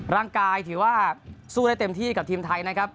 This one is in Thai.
ร่างกายถือว่าสู้ได้เต็มที่กับทีมไทยนะครับ